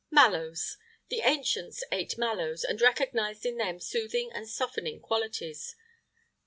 MALLOWS. The ancients ate mallows, and recognised in them soothing and softening qualities.